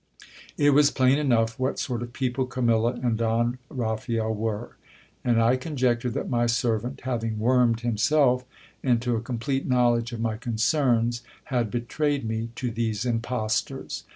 It was plain enough what sort of people Camilla and Don Raphael were ; and I conjectured that my ser vant, having wormed himself into a complete knowledge of my concerns, had be trayed me to these impostors.